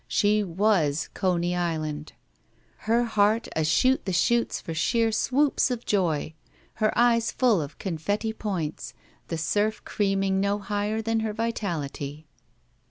She was Coney Island! Her heart a shoot the chutes for sheer swoops of joy, her eyes full of confetti points, the surf creaming no higher than her vitahty.